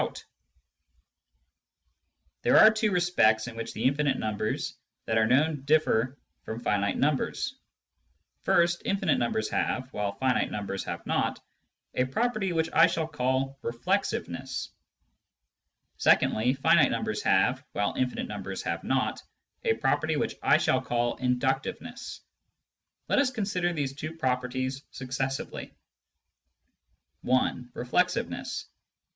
Digitized by Google I90 SCIENTIFIC METHOD IN PHILOSOPHY There arc two respects in which the infinite numbers that are known differ from finite numbers : first, infinite numbers have, while finite numbers have not, a property which I shall call reflexiveness ; secondly, finite numbers have, while infinite numbers have not, a property which I shall call inducHveness. Let us consider these two properties successively. (i) Reflexiveness.